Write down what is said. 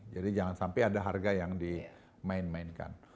jadi jangan sampai ada harga yang dimainkan